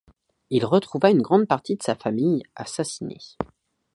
Il retrouva une grande partie de sa famille assassinée.